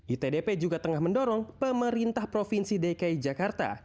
itdp juga tengah mendorong pemerintah provinsi dki jakarta